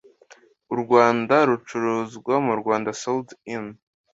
au Rwanda Ricuruzwa mu Rwanda Sold in